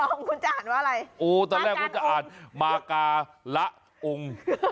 ของคุณจะอ่านว่าอะไรโอ้ตอนแรกคุณจะอ่านมากาละองค์